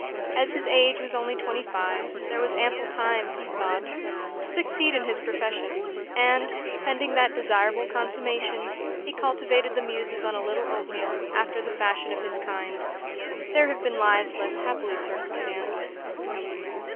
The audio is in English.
As his age was only twenty five, there was ample time, he thought, to succeed in his profession; and, pending that desirable consummation, he cultivated the muses on a little oatmeal, after the fashion of his kind. There have been lives less happily circumstanced.